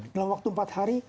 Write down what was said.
dalam waktu empat hari